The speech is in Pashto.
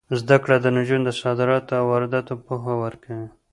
زده کړه نجونو ته د صادراتو او وارداتو پوهه ورکوي.